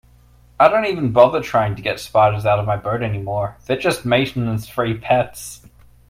I don't even bother trying to get spiders out of my boat anymore, they're just maintenance-free pets.